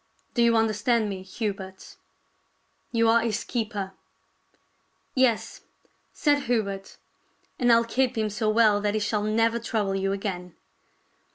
Do you understand me, Hubert? You are his keeper." " Yes," said Hubert, " and I'll keep him so well that he shall never trouble you again."